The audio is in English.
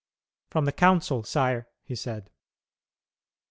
"From the council, sire," he said.